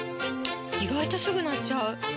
意外とすぐ鳴っちゃう！